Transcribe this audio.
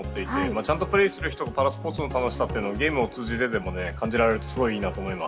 ちゃんとプレーする人がパラスポーツの楽しさもゲームを通じて感じられるとすごいいいなと思います。